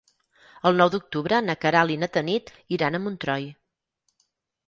El nou d'octubre na Queralt i na Tanit iran a Montroi.